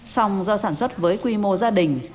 sông do sản xuất với quy mô gia đình